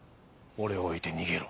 俺を置いて逃げろ。